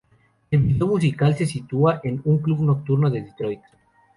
El video musical se sitúa en un club nocturno de Detroit.